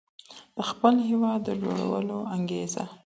د خپل هېواد د جوړولو انګېزه.